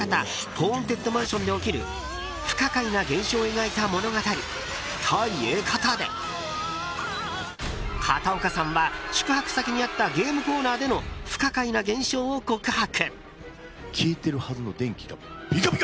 ホーンテッドマンションで起きる不可解な現象を描いた物語ということで片岡さんは、宿泊先にあったゲームコーナーでの不可解な現象を告白。